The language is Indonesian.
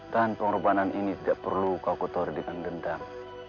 dan pengorbanan ini tidak perlu kau kotor dengan dendam